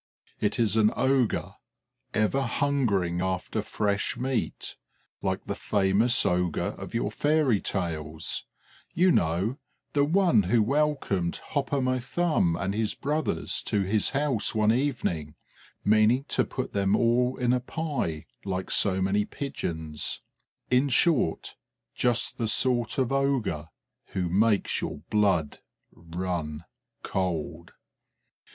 It is an ogre, ever hungering after fresh meat, like the famous ogre of your fairy tales: you know, the one who welcomed Hop o' my Thumb and his brothers to his house one evening, meaning to put them all in a pie like so many pigeons; in short, just the sort of ogre who makes your blood run cold.